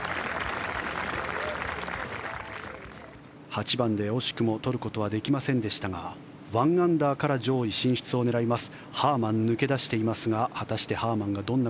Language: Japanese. ８番で惜しくも取ることはできませんでしたが１アンダーから上位進出を狙います。